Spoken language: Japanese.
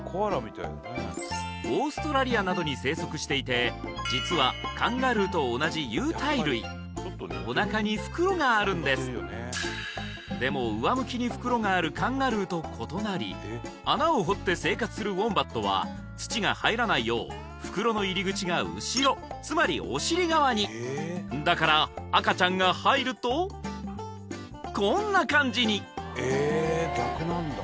オーストラリアなどに生息していて実はカンガルーと同じ有袋類おなかに袋があるんですでも上向きに袋があるカンガルーと異なり穴を掘って生活するウォンバットは土が入らないよう袋の入り口が後ろつまりお尻側にだから赤ちゃんが入るとこんな感じにえ